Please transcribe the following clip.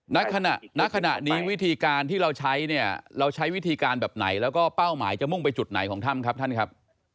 ณขณะนี้วิธีการที่เราใช้เนี่ยเราใช้วิธีการแบบไหนแล้วก็เป้าหมายจะมุ่งไปจุดไหนของถ้ำครับท่านครับ